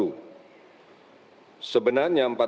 bahwa dalam periode itu tidak muncul kasus baru